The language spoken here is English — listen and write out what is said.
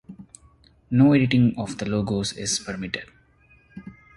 No editing of the logos is permitted.